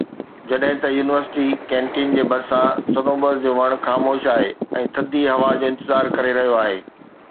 جڏهن ته university canteen جي ڀرسان صنوبر جو وڻ خاموش آهي ۽ ٿڌي هوا جو انتظار ڪري رهيو آهي